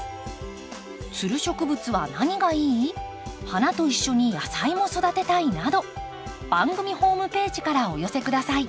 花と一緒に野菜も育てたいなど番組ホームページからお寄せ下さい。